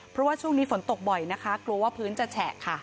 เพราะว่าช่วงนี้ฝนตกบ่อยนะคะกลัวว่าพื้นจะแฉะค่ะ